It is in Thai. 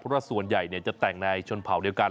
เพราะว่าส่วนใหญ่จะแต่งในชนเผาเดียวกัน